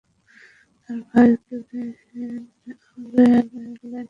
তার ভাই Kevin O'Brien Ireland দলে খেলছেন।